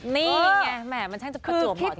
นี่ไงแหม่มันช่างจะประจวบหมด